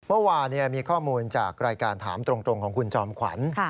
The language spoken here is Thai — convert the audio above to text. เมื่อวานมีข้อมูลจากรายการถามตรงของคุณจอมขวัญ